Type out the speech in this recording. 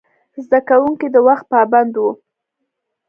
زده کوونکي د وخت پابند وو.